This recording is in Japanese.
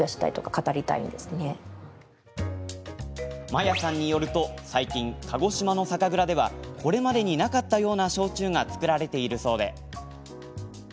マヤさんによると最近、鹿児島の酒蔵ではこれまでになかったような焼酎が造られているそうで。